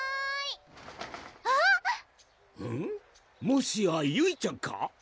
もしやゆいちゃんか？